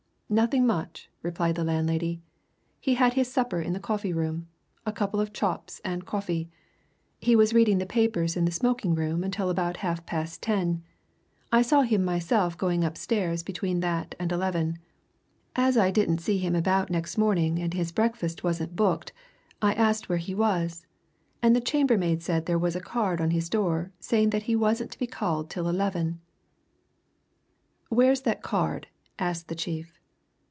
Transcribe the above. "Nothing much," replied the landlady. "He had his supper in the coffee room a couple of chops and coffee. He was reading the papers in the smoking room until about half past ten; I saw him myself going upstairs between that and eleven. As I didn't see him about next morning and as his breakfast wasn't booked, I asked where he was, and the chambermaid said there was a card on his door saying that he wasn't to be called till eleven." "Where is that card?" asked the chief.